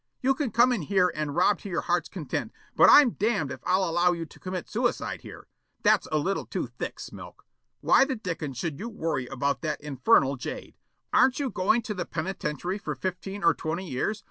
You can come in here and rob to your heart's content, but I'm damned if I'll allow you to commit suicide here. That's a little too thick, Smilk. Why the dickens should you worry about that infernal jade? Aren't you going to the penitentiary for fifteen or twenty years?